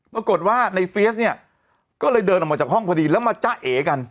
ปรากฏว่าในเฟียสเนี่ยก็เลยเดินออกมาจากห้องพอดีแล้วมาจ้าเอกัน